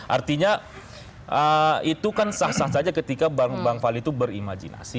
artinya itu kan sah sah saja ketika bang fadli itu berimajinasi